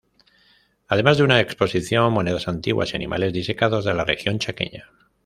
Además de una exposición de monedas antiguas y animales disecados de la región chaqueña.